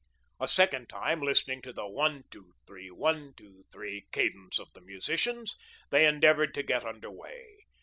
A second time, listening to the one two three, one two three cadence of the musicians, they endeavoured to get under way.